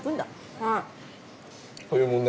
はい。